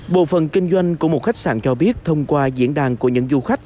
bộ phần kinh doanh của một khách sạn cho biết thông qua diễn đàn của những du khách